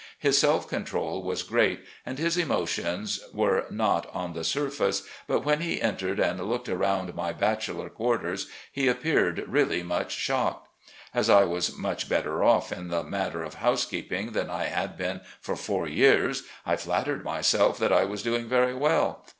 His self control was great and his emotions were not on the surface, but when he entered and looked around my bache lor quarters he appeared really much shocked. As I was much better off in the matter of housekeeping than I had been for four years, I fiattered myself that I was doing very well.